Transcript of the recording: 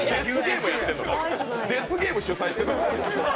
デスゲーム主催してんのか！